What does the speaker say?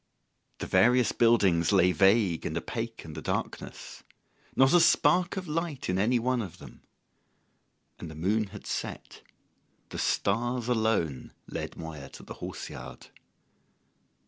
The various buildings lay vague and opaque in the darkness: not a spark of light in any one of them. And the moon had set; the stars alone lit Moya to the horse yard.